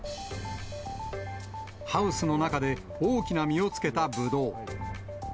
ハウスの中で大きな実をつけたブドウ。